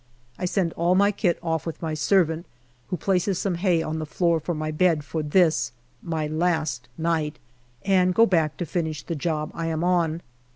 I send all my kit off with my servant, who places some hay on the floor for my bed for this, my last night, and go back to finish the job I am on.